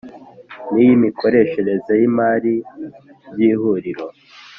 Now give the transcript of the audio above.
N iy imikoreshereze y imari by ihuriro